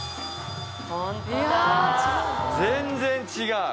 全然違う。